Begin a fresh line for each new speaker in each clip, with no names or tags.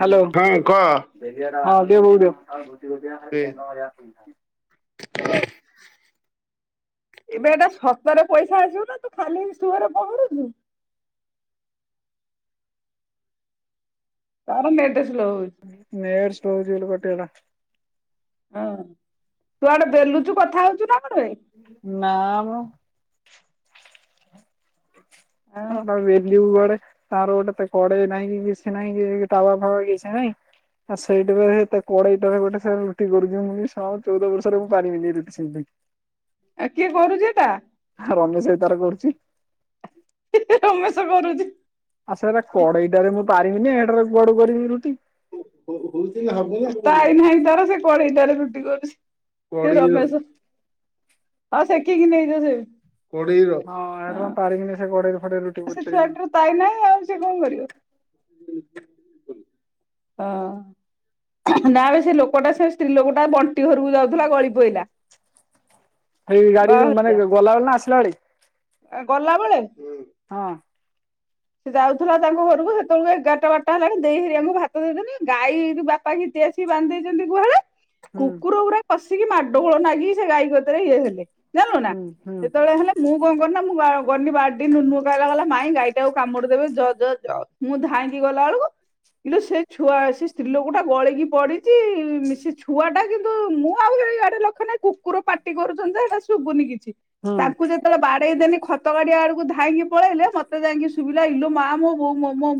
Hello
ହଁ କହ
ହିଁ ଦେଇ ବୋଉ କୁ
ଦେ
ଦିଅ। ଓ।
ଏବେ ଏଟା ସତରେ ପଇସା ଆସିବୁ ନା ତୁ ଖାଲି ସୁଅରେ ପହଁରୁଛୁ। ତାର ମେ
ନେଟ ସ୍ଲୋ ହଉଚି ବୋଲି କଟିଗଲା।
ହଁ ତୁ ଆଡେ ବେଲୁଚୁ କଥା ହଉଚୁ ନା କଣ ବେ?
ନା ମ। ହଁ
ଆଉ
ପା ବେଲ ଯିବୁ ଯୁଆଡ଼େ ତାର ଗୋଟେ ତା କଢ଼େଇ ନାହିଁକି କିଛି ନାଇଁ କି ତାୱା ଫାୱା କିଛି ନାଇଁ। ଆଉ ସେଇଟା ତାରେ କଢ଼େଇ ଟା ରେ ଗୋଟେ ସେ ରୁଟି କରୁଚି ମୁଁ କହିଲି ଶଳା ଚଉଦ ପୁରୁଷରେ ମୁଁ ପାରିବିନି ରୁଟି ସେମିତି।
ଆ କିଏ କରୁଛି ତା।
ରମେଶ ଭାଈ ତାର କରୁଛି।
ହେ ହେ ରମେଶ କରୁଛି।
ଆଚ୍ଛା ପା କଢ଼େଇଟାରେ ମୁଁ ପାରିବିନ ଏଟାରେ କୁଆଡୁ କରିବି ରୁଟି।
ତା ଆଇ ନାହିଁ ତାର ସେ କଢେଇ ଟାରେ ରୁଟି କରୁଛି। ରମେଶ ହଁ ସେକିକି ନେଇଯାଅ ସେ।
ହଁ ଏଟାରେ ପାରିବିନି ସେ କଢେଇ ରେ।
ସେ ଛୁଆ ଟାର ଟାଇମ ନାହିଁ ଆଉ ସେ କଣ କରିବ। ହଁ। ନା ବେ ସେ ଲୋକଟା ସେ ସ୍ତ୍ରୀ ଲୋକଟା ଏ ବଣ୍ଟି ଘରକୁ ଯାଉଥିଲା ଗଳି ପଇଲା।
ଏଇ ଗାଡିରୁ
ବାହା
ମାନେ ଗ-ଗଲାବେଳେ ନା ଆସିଲା ବେଳେ।
ଗଲାବେଳେ
ହଁ।
ସେ ଯାଉଥିଲା ତାଙ୍କ ଘରକୁ ସେତେବେଳକୁ ଏଗାରଟା ବାରଟା ହେଲାଣି ଦେଇ ହେରି ଆମକୁ ଭାତ ଦେଇଦେଲେ ଗାଈ ବାପା କି ଆସିକି ବାନ୍ଧିଦେଇଛନ୍ତି ଗୁହାଲେ।
ହୁଁ
କୁକୁର ପୁରା ପସିକି ମାଡଗୋଳ ନାଗିକି ସେ ଗାଈ ଗୋତରେ ଇଏ ହେଲେ। ଜାଣିଲୁ ନା
ହୁଁ ହୁଁ
ସେତେବେଳେ ହେଲେ ମୁଁ କଣ କଲି ନାଁ ମୁଁ ଗଣଇ ବାରଡି ଗଲା ମାଇଁ ଗାଇ ଆଉ କାମୁଡି ଦେବେ ଜ ଜ ଜ ମୁଁ ଧାଇଁକି ଗଲା ବେଳକୁ କିନ୍ତୁ ସେ ଛୁଆ ସେ ସ୍ତ୍ରୀଲୋକ ଟା ଗଳେଇକି ପଡିଛି ସେ ଛୁଆ ଟା କିନ୍ତୁ ମୁଁ ଆଉ ଇଆଡେ ଲଖ୍ୟ ନାହିଁ କୁକୁର ପାଟି କରୁଛନ୍ତି ଯେଇଟା ଶୁଭୁନି କିଛି।
ହୁଁ
ତାଙ୍କୁ ଯେତେବେଳେ ବାଡେଇ ଦେଲି ଖତ ଗାଡିଆ ଆଡକୁ ଧାଇଁକି ପଳେଇଲେ ମତେ ସୁବିଲା ହେଇଲୁ ମା ମୋ ବୋଉ ମୋ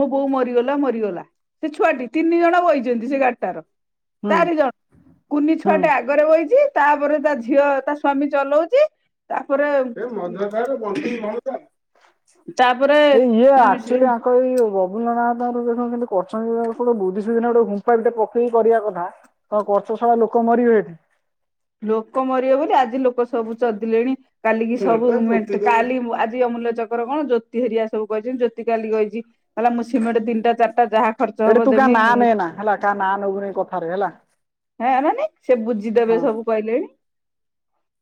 ମୋ ବୋଉ ମରିଗଲା ମରିଗଲା। ସେ ଛୁଆଟି ତିନି ଜଣ ବହିଛନ୍ତି ସେ ଗାଟାର।
ହୁଁ
ଚାରି ଜଣ କୁନି
ହୁଁ।
ଛୁଆଟେ ଆଗରେ ବଇଛି। ତାପରେ ତା ଝିଅ ତା ସ୍ଵାମୀ ଚଲଉଛି। ତାପରେ ମ [inaudible]
ଏଇ ଇଏ ଆକ୍ଚୁଆଲି ଆଙ୍କ ଏଇ ବବୁଲ ନାଥଙ୍କର ଦେଖ କରଚଟ ବୁଧି ସୁ ଗୋଟେ ଗୁମ୍ପା ବିଟେ ପକେଇକି କରିବା କଥା ତ କରଚ ସଳା ଲୋକ ମରିବେ ଏଠି।
ଲୋକ ମରିବ ବୋଲି ଆଜି ଲୋକ ସବୁ ଚଦିଲେଣି କାଲିକି ସବୁ କାଲି ଆଜି ଚକ୍ର କଣ ଜୋତି ହେରିଆ ସବୁ କହିଛି ଜୋତିକାଲି କହିଛିହଲେ ମୁଁ ସମେଟ ତିିଟା ଚାରିଟା ଯାହା ଖର୍ଚ୍ଚ ହବ
ଏଠି ତୁ କା ନାଁ
ଦେମି
ନେ ନା ହେଲା କାହା ନାଁ ନବୁନି କଥାରେ ହେଲା।
ହଁ ମାନେ ସେ ବୁଝିଦେବେ
ହଁ
ସବୁ। କହିଲେଣି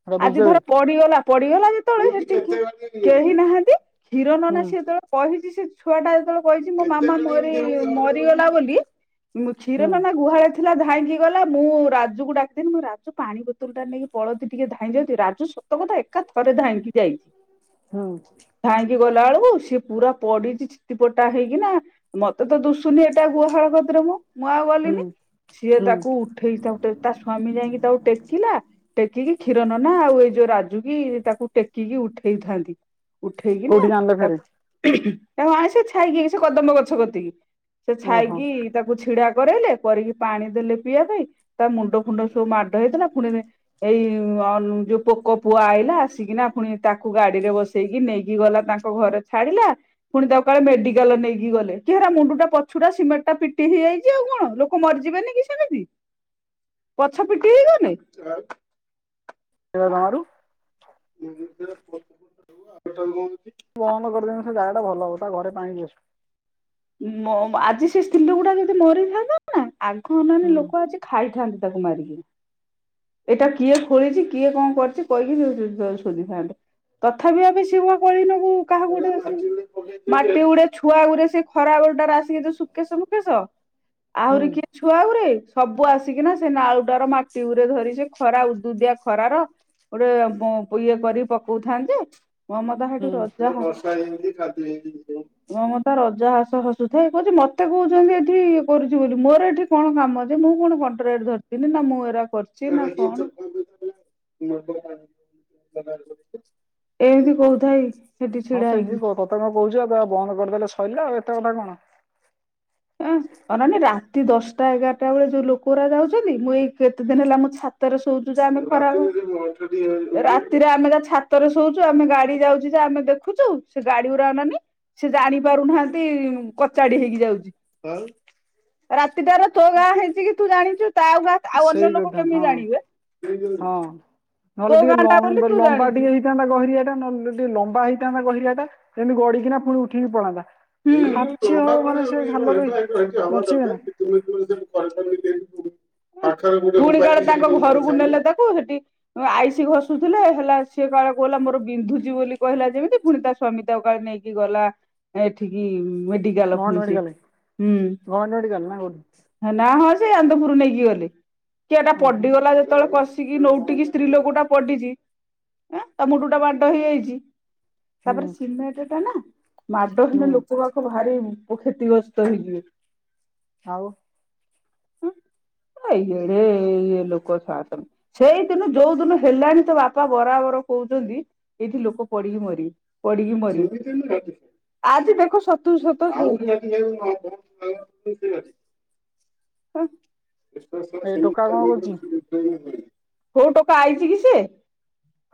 ସେଟା
ଆଜି
ବୁଝିଦେବି
ଧର ପଡିଗଲା ପଡିଗଲା ଯେତେବେଳେ ସେଠିକ କେହି ନାହାନ୍ତି। ହି ରୋ ନନା
ହୁଁ
ସ ଯେତେବେଳେ ପହିଛି ସେଠି ଛୁଆ ଟା ଯେତେବେଳେ କହିଛି ମୋ ମାମା ମରିଗଲା ବୋଲି ମୁଁ କ୍ଷୀର
ହୁଁ
ନନା ଗୁହାଳ ଥିଲା ଧାଇଁକି ଗଲା ମୁଁ ରାଜକୁ ଡାକଥିଲି ମୁଁ ରାଜ ପାଣି ବୋତଲ ଟା ନେଇକି ପଳଉଛୁ ଟିକେ ଧାଇଁ ଦିଅନ୍ତି ରାଜୁ ସତ କଥା ଏକା ଥରେ ଧାଇଁକି ଯାଇଛି।
ହୁଁ।
ଧାଇଁକି ଗଲା ବେଳକୁ ସିଏ ପୁରା ପଡିଛି ଚିଟି ପଟା ହେଇକି ନା ମତେ ତ ଦୁ ଶୁନି ଏଟା ଗୁହାଳ କରିଦ୍ର ମ ମୁଁ ଆଉ
ହୁଁ
ଗଲିନି ସିଏ
ହୁଁ
ତାକୁ ଉଠେଇ ତା ତା ସ୍ଵାମୀ ଯାଇକି ତାକୁ ଟେକିଲା ଟେକିକି କ୍ଷୀର ନନା ଆଉ ଏଇ ଯୋଉ ରାଜୁ କି ତାକୁ ଟେକିକି ଉଠେଇଥାନ୍ତି। ଉଠେଇକି ନା
କୋଉଠିକି ଆଣିଲେ
ତା
ଫେରେ
ତାକୁ ଆଣି ସେ ଛାଇକି ସେ କଦମ୍ବ ଗଛ କତିକି ସେ
ଓହୋ
ଛାଇକି ତାକୁ ଛିଡା କରିଲେ କରିକି ପାଣି ଦେଲେ ପିଇବା ପାଇଁ ତା ମୁଣ୍ଡ ଫୁଣ୍ଡ ସବୁ ହେଇଥିଲା ପୁଣି ଏଇ ଯୋଉ ପୋକ ପୁଅ ଆଇଲା ଆସିକିନା ପୁଣି ତାକୁ ଗାଡିରେ ବସି ନେଇକି ଗଲା ତାଙ୍କ ଘରେ ଛାଡିଲା ପୁଣି ତା କାଳେ ମେଡିକାଲ ନେଇକି ଗଲେ କି ହେରା ମୁଣ୍ଡ ଟା ପ ପୁରା ସିମେଣ୍ଟ ଟା ପିଟି ହେଇଯାଇଛି ଆଉ କଣ ଲୋକ ମରିଯିବେନି କି ସେମିତି ପଛ ଠିକ ହେଇଗଲେ।
ଜମାରୁ
[unintelligible]
ବନ୍ଦ କରିଦେବୁ ସେ ଜାଗା ଟା ଭଲ ହବ ତା ଘରେ ପା
ଆଜି ସେ ସ୍ତ୍ରୀ ଲୋକଟା ଯଦି ମରିଥାନ୍ତା ନାଁ। ଆଗ ଅନାନି
ହୁଁ
ଲୋକ ଆଜି ଖାଇଥାନ୍ତି ତାକୁ ମାରିକି। ଏଇଟା କିଏ ଖୋଲିଛି କିଏ କଣ କରଛି କହିକି ସୁଧିଥାନ୍ତେ। ତଥାପି ଆବେ ସିଆ କଳି ନବୁ କାହାକୁ ଗୋଟେ ମାଟି ଗୁଡେ ଛୁଆ ଗୁଡେ ସେ ଖରା ଆସିକି ଯୋ ସୁକେଶ ମୁକେଶ
ହୁଁ
ଆହୁରି କିଏ ଛୁଆ ଗୁରେ ସବୁ ଆସିକିନା ସେ ନାଳୁଟ ର ମାଟି ଗୁରେ ଧରିକି ସେ ଖରା ଉଦୁଦିଆ ଖରାର ଗୋଟେ ଇଏ କରିକି ପକଉଥାନ୍ତି ଯେ ମମତା ହେଠୁ
ହୁଁ
ରଜା ବର୍ଷା ହେଇଛି କାଦୁଅ ହେଇଯାଇଛି [inaudible] ମମତା ରଜା ହସ ହସୁଥାଏ କହୁଛି ମତେ କହୁଛନ୍ତି ଏଠି ଇଏ କରୁଛି ବୋଲି ମୋର ଏଠି କଣ କାମ। ମୁଁ କଣ କଣ୍ଟ୍ରାଟ ଧରିଥିଲି ନା ମୁଁ ଏରା କରିଛି। ସେ ମା କଣ? ଏଁ ତି କହୁଥାାଇ
ହଁ ସେମିତି କହୁ। ତତେ କଣ କହୁଛି, ବନ୍ଦ କରିଦେଲେ ସରିଲା ଆଉ ଏତେ କଥା କଣ?
ଆଁ, ଅନାନି ରାତି ଦଶଟା ଏଗାରଟା ବେଳେ ଯୋଉ ଲୋକ ଗୁରା ଯାଉଛନ୍ତି, ମୁଁ ଏଇ କେତେ ଦିନ ହେଲା ମୋ ଛାତରେ ଶୋଉୁଛୁ ଯେ ଆମେ ଖରା ରାତିରେ ଆମେ ଯା ଛାତରେ ଶୋଉଛୁ ଆମେ ଗାଡି ଯାଉଛି ଯା ଆମେ ଦେଖୁଛୁ। ସେ ଗାଡି ପୁରା ମାନେ ସେ ଜାଣି ପାରୁନାହାଁନ୍ତି। କଚାଡି ହେଇକି ଯାଉଛି। ରାତିଟାରେ ତୋ ଗାଁ ହେଇଛି କି ତୁ ଜାଣିଛୁ? ତା ଆଉ ଗାଁ ଆଉ
ସେଇ
ଅନ୍ୟ ଲୋକ
କଥା
କେମିତି
ହଁ।
ଜାଣିବେ?
ହଁ
ତୋ
ନହେଲେ ଟିକେ
ଗାଁ ଟା ବୋଲି
ଲମ୍ବ
ତୁ
ଲମ୍ବା
ଜାଣିଛୁ।
ଟିକେ ହେଇଥାନ୍ତା ଗହିରିଆ ଟା ନହେଲେ ଟିକେ ଲମ୍ବା ହେଇ ସେ ଆମ ଗହିରିଆ ଟା ଏମି ଗଡିକି ନା ପୁଣି ଉଠିକି ପଳାନ୍ତା।
ହୁଁ। [inaudible]
ଖାଚି ହବ ମାନେ ସେ ଖାଲରେ ବଞ୍ଚିବେ ନା
ପୁଣି କଣ ତାଙ୍କ ଘରକୁ ନେଲେ ତାକୁ ହେଠି ଆଇଷି ଘଷୁଥିଲେ, ହେଲା ସିଏ କାଳେ କହିଲା ମୋର ବିନ୍ଧୁଛି ବୋଲି କହିଲା ଯେମିତି, ପୁଣିତା ସ୍ଵାମୀ ତକାଳେ ନେଇକି ଗଲା ଏଠିକି-ଇ ମେଡ଼ ମେଡ଼ିକାଲ
ଗଭର୍ଣ୍ଣମେଣ୍ଟ
ଫୁଣି ସେ।
ମେଡିକାଲ
ହୁଁ
ଗଭର୍ଣ୍ଣମେଣ୍ଟ ମେଡିକାଲ ନା କୋଉଠି
ନା ହସେ ସେ ଆନ୍ଦପୁରରୁ ନେଇକି ଗଲେ। କି ଏଟା
ଓହୋ
ପଡିଗଲା ଯେତେବେଳେ କଶ ନଉଟିକି ସ୍ତ୍ରୀ ଲୋକଟା ପଡିଛିଁ, ଆଁ ତା ମୁଣ୍ଡ ଟା ମାଡ଼ ହେଇଯାଇଛି। ତାପରେ
ହୁଁ
ସିମେଣ୍ଟ ଟାନା
ହୁଁ
ମାଡହୀନ ଲୋକ ବାକ ବାକ ଭା ଭାରି କ୍ଷତିଗ୍ରସ୍ତ ହେଇଯିବେ।
ହଉ।
ହୁଁ। ଏଡେ ଇଏ ଲୋକ ଶଳା ସବୁ। ସେଇ ଦିନ ଯୋଉ ଦିନ ହେଲାଣି ତ ବାପା ବରାବର କହୁଛି। ଆସୁଛନ୍ତି ଏଇଠି ଲୋକ ପଡିକି ମରିବେ ପଡିକି ମରିବେ ଦେଖ୍ ଆଜି ଦେଖ ସତ ସତ ହଉଚି। ହଁ।
ଏ ଟୋକା କଣ କରୁଛି
କୋଉ ଟୋକା ଆଇଛି କି ସେ?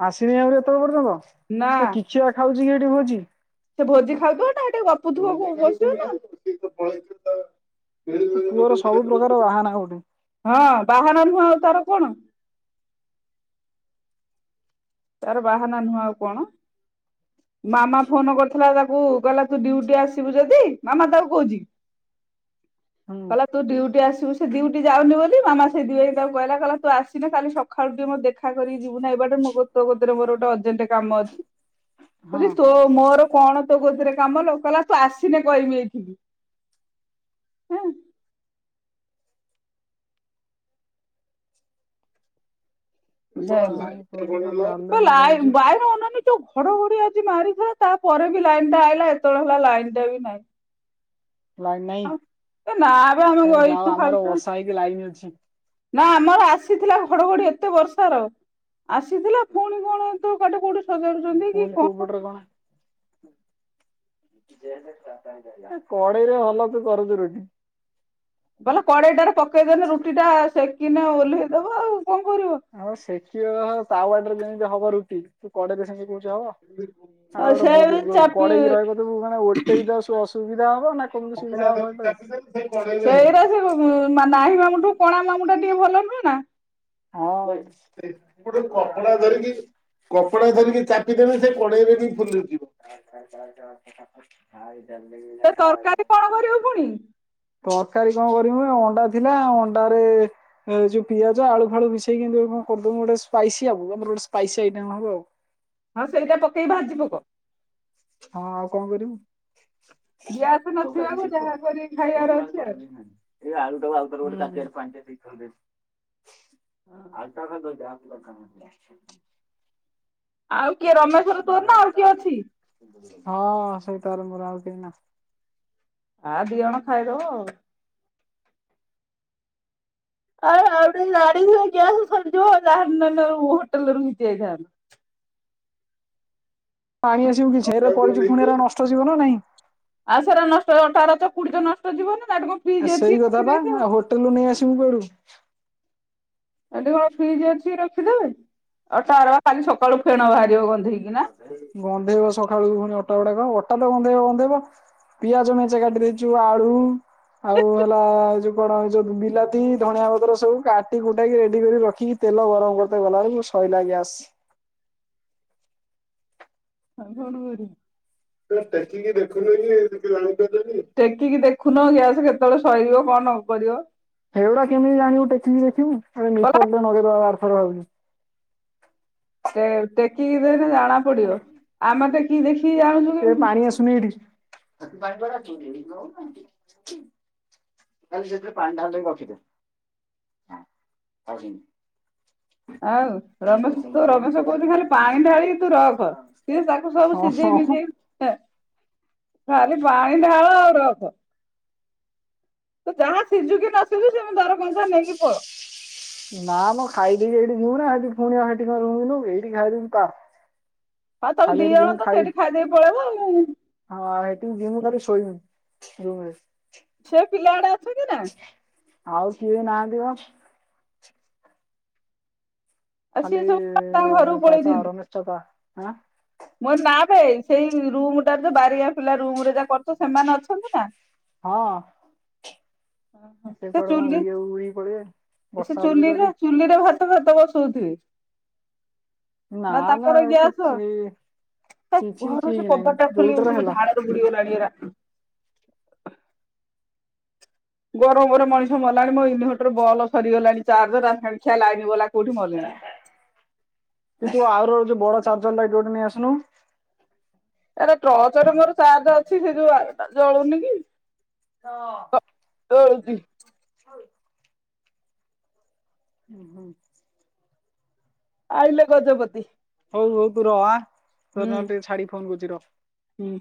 ଆସିନି ଆଉରି ଏତେବେଳେ ପର୍ଯ୍ୟନ୍ତ!
ନା
ସେ କିଚିଆ ଖାଉଛି କି ହେଠି ଭୋଜି?
ସେ ଭୋଜି ଖାଇଥୁବ ନା, ହେଟି ଗପୁଥୁବ କଉ ବସିବ ନ ନ୍।
ତୋ ପୁଅର ସବୁ ପ୍ରକାର ବାହାନା ଗୋଟେ
ହଁ। ବାହାନା ନୁହଁ ଆଉ ତାର କଣ? ତାର ବାହାନା ନୁହଁ ଆଉ କଣ? ମାମା ଫୋନ୍ କରୁ ଚି ତାକୁ କହିଲା ତୁ ଡ୍ୟୁଟି ଆସିବୁ ଯଦି, ମାମା ତାକୁ କହୁଛି।
ହୁଁ
କଲା ତୁ ଡିଉଟି ଆସ। ତୁ ସେ ଦିଉଟି ଯାଉନି ବୋଲି, ମାମା ସେଇଦିପାଇଁ ତାକୁ କହିଲା, କଇଲା ତୁ ଆସିନେ କାଲି ସକାଳୁ ଟିଏ ମୋତେ ଦେଖା କରି ଯିବୁ ନା ଏପଟେ। ତୋ ପାଖେ ମୋ ତୋ କତିରେ ମୋର ଗୋଟେ ଅଜେଣ୍ଟ କାମ ଅଛି। କହୁଚି
ହଁ
ତୋ ମୋର କଣ ତୋ କତିରେ କାମ ଲୋ? କଇଲା, ତୁ ଆସିନେ କହିମି ଏଇଠିକି। ହଁ।
କଣ କହୁଛି
ଯାଉଚି। ତ
ଗାଲୁଆମି
ଲାଇ
ଧରୁଛି
ବାଇନ ଅନାନି! ଯଉ ଘଡଘଡି ଆଜି ମାରିଥିଲା। ତା ପରେ ବି ଲାଇନ ଟା ଆଇଲା, ଏତେବେଳେ ହେଲା ଲାଇନ ଟା ବି ନାଇଁ।
ଲାଇନ ନାହିଁ
ଏ ନା ବେ ଆମେ
ଏ ଯାଅ
ବଇଚୁ
ଆମର
ହଲଚୁ।
ବର୍ଷା ହେଇକି ଲାଇନ ଅଛି
ନା ଆମର ଆସିଥିଲା ଘଡଘଡି ଏତେ ବର୍ଷାର। ଆସିଥିଲା। ପୁଣି କଣ ତୁ କାଠି କୋଉଠୁ ସଜାଡୁଛନ୍ତି କି
ପୁଣି କୋଉ
କଣ?
ପଟରେ କଡେଇରେ ଭଲ ତୁ କରଛୁ ରୁଟି?
ବଲେ କଡେଇଟାରେ, ପକେଇଦେଲେ ରୁଟି ଟା ସେକିନେ ଓହ୍ଲେଇଦବ ଆଉ କଣ କରିବ।
ଆଉ ସେକିବ ତାୱା ଟାରେ ଯେମିତି ହବ ରୁଟି। ତୁ କଡେଇ ରେ ସେମିତି କରୁ ଜ ଏଡା
ଆଉ ସେ
ଗୋଟେ
ବି
ବୁଡ଼
ଚାପି
କଡେଇକି ରହିବ, ତାକୁ ମାନେ ଓୋଲଟେଇ ଦ ଅସୁବିଧା ହବ ନା କେମିତି ସୁବିଧା ହବ ଏଟାରେ।
ସେଇଟା ସେଇ ଉଁ ମା ନାହିଁ ମାମୁଁ ଠୁ କଣା ମାମୁଁ ଟା ଟିକେ ଭଲ ନୁହେଁ ନା।
ହଁ
ଗୋଟେ କପଡା ଧରିକି କପଡା ଧରିକି ଚା ରଖିଦେନେ ସେ କଡେଇରେ ବି ଫୁଲିଯିବ।
[unintelligible] ଖାଇ
ସେ ତରକାରୀ କଣ କରିବୁ ପୁଣି?
ତରକାରୀ କଣ କରମୁ ଅଣ୍ଡା ଥିଲା ଅଣ୍ଡାରେ ଯୋଉ ପିଆଜ ଆଳୁ ଫାଳୁ ମିଶେଇକି ଯୋଉ କ ର ଦଉନୁ ଗୋଟେ ସ୍ପାଇସି ଆଉ, ଆମର ଗୋଟେ ସ୍ପାଇସି ଆଇଟମ୍ ହବ ଆଉ।
ହଁ ସେଇଟା ପକେଇ ଭାଜିବ କ।
ହଁ ଆଉ କଣ କରିବୁ।
ଗ୍ୟାସ
ତରକାରୀ
ନଥିବାକୁ
ସେଇଠି ଥୋ
ଯାହା କରିକି ଖାଇବାର ଅଛି
[unintelligible]
ଆଉ।
ଏବେ ଆଳୁଟାକୁ ଆଉଗୋଟେ ତାଟିଆରେ ପାଣିଟା ଦିଥର ଦେବି, ଆଳୁଟାକୁ ଖାଲି ଧୋଇ ଦେ ଆ [unintelligible]
ଆଉ କିଏ ରମେଶର ତୋର ନା ଆଉ କିଏ ଅଛି?
ହଁ ସେଇ ତାର ମୋର ଆଉ କେହି ନା
ଆ ଦିଜଣ ଖାଇଦବ ଆଉ। ଆ ଆେ ଗାଡ଼ି ନହେଲେ ଗ୍ୟାସ ସରିଯିବ, ଯାହାର ନ ନେଲେ ହୋଟେଲରୁ ଘିତି ଆଇଥାନ୍ତ। [inaudible]
ପାଣି
[unintelligible]
ଆସିବୁ କିଛି ଏରା କରିଛୁ ପୁଣି ଏରା ନଷ୍ଟ ଯିବ ନା ନାଇଁ।
ଆଉ ସେରା ନଷ୍ଟ ଅଠାର ତ ପୁଣି ତ ନଷ୍ଟ ଯିବ ନା।
ଆ ସେଇ କଥା ବା ଆଉ ହୋଟେଲରୁୁ ନେଇ ଆସିବୁ କୁଆଡୁ।
ଏଠି କଣ ଫ୍ରିଜ୍ ଅଛି ରଖିଦବେ ଆଉ ତାର ବା ଖାଲି ସକାଳୁ ଫେଣ ବାହାରିବ ଗ
ଗନ୍ଧେଇବ ସକାଳୁୁ ପୁଣି ଅଟା ଗୁଡାକ, ଅଟା ତ ଗନ୍ଧେଇବ ଗନ୍ଧେଇବ ପିଆଜ ମେଞ୍ଚେ କାଟି ଦେଇଚୁ, ଆଳୁ ଆଉ ହେଲା ଯୋଉ କଣ ଏ ଯୋଉ ବିଲାତି, ଧଣିଆ ପତ୍ର ସବୁ କାଟି କୁଟାକି ରେଡି କରି ରଖିକି ତେ ତେଲ ଗରମ କରିତେ ଗଲାବେଳକୁ ସଇଲା ଗ୍ୟାସ।
[inaudible] ଆଉ କଣ କରିବୁ। ତମେ ଟେକିକି ଦେଖୁନ କି [unintelligible] ଟେକିକି ଦେଖୁନ ଗ୍ୟାସ କେତେବେଳେ ସରିବ କ ଣ କରିବ?
ସେଗୁଡା କେମିତି ଜାଣିବୁ ଟେକିକି ଦେଖିବୁ ଆମେ ମିଟର ଟେ ଲଗେଇଦବା ଆରଥରକ ଭାବୁଚି।
ଏ ଟେକି ଦେଖେ ଜଣା ପଡିବ, ଆମେ ଟେକି ଦେଖି
ଏ ପାଣି ଆସୁନି ଏଠି। ଖାଲି ସେଥିରେ ପାଣି ଢାଳିଦେଇ ରଖିଦେ [unintelligible]
[inaudible] ଆଉ ରମେଶ ତୁ ରମେଶ କହୁଚି ଖାଲି ପାଣି ଢାଳିକି ତୁ ରଖ ସିଏ ତାକୁ ସବୁ
ହଁ
ସିଝେଇ
ହଁ।
ମିଝେଇ ଖାଲି ପାଣି ଢାଳ ଆଉ ରଖ। ସେ ଯାହା ସିଝୁ କି ନ ସିଝୁ ସେମତି ଦର କଞ୍ଚା ନେଇକି ପଳ।
ନା ମୁଁ ଖାଇଦେବି। ଯିବୁ ନା ସେଠି ପୁଣି ହଁ ସେଠି କଁ ରୁମୁ ନବୁ ଏଇଠି ଖାଇଦବୁ ପା
ଆଉ ତମେ
ଖାଲି
ଦି
ସେଠିକି
ଜଣ
ଯିବୁ
ତ
ଖାଇ
ସେଇଠି ଖାଇଦେଇ ପଳେଇବ ଆଉ
ହଁ ସେଠିକି ଯିମୁ ଶୋଇବି ରୁମରେ।
ସେ ପିଲା ଗୁଡା ଅଛନ୍ତି ନା?
ଆଉ କିଏ ନାହାନ୍ତିିବା। ଖାଲି
ସିଏ ସବୁ ତାଙ୍କ ଘରକୁ
ଚାଚା ଆର ମିଷ୍ଟତା ଆଁ
ମୁଁ କହିଲି ନା ଭାଇ ସେଇ ରୁମ ଟା ଯୋଉ ବାରିଆ ପିଲା ରୁମ ରେ ଯା କରଛ ସେମାନେ ଅଛନ୍ତି ନା?
ହଁ।
ସେ
ସେପଟେ କଣ
ଚୁଲି
ଉଡିଆକୁ ଉଡିକି ପଳେଇବେ
ସେ
ବର୍ଷା ହଉଛି ତ
ଚୁଲିରେ
ଏଠି
ଚୁଲିରେ ଭାତ ଫାତ ବ ସଉଥିବେ। ନା ତାଙ୍କର ଗ୍ୟାସ? ତା
କିଛି
ଘରରୁ ସେ
ଠିକ ନାହିଁ
କବାଟ ଟା ଖୋଲି
ଯୋଉଟାରେ
ଦଉ ମୋ
ହେଲା
ଝାଳରେ ବୁଡିଗଲାଣି। ହେରା। ଗରମରେ ମଣିଷ ମଲାଣି ମୋ ଇନଭର୍ଟର ବଲ୍ ସରିଗଲାଣି ଚାର୍ଜ [unintelligible] ଖିଆ ଲାଇନି ବାଲା କୋଉଠି ମଲାଣି। [inaudible]
ଏଯୋଉ ଆଉର ଯୋଉ ବଡ ଚାର୍ଜର ଲାଇଟି ଗୋଟେ ନେଇ ଆସୁନୁ?
ଆରେ ଟ୍ରଚରେ ମୋର ଚାର୍ଜ ଅଛି, ସେ ଯୋଉ ଆରଟା ଜଳୁନି କି?
ହଁ
ଜଳୁଛି।
ଓ ହୋ [inaudible]
ଆଇଲେ ଗଜପତି
ତୁ ବୋଉ ତୁ ରହ ଆଁ ତତେ
ହୁଁ
ନହେଲେ ଟିକେ ଛାଡିକ କଲ କରୁଛି ରହ
ହୁଁ